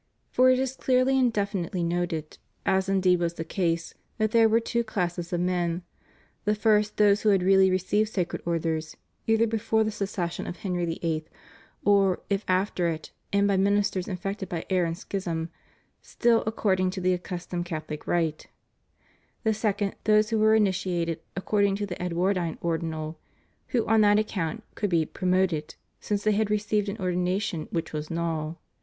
For it is clearly and definitely noted, as indeed was the case, that there were two classes of men: the first those who had really received Sacred Orders, either before the secession of Henry VIIL, or, if after it and by ministers infected by error and schism, still according to the accustomed Catholic rite; the second, those who were initiated according to the Edwardine Ordinal, who on that account could be "promoted" since they had received an ordination which was null.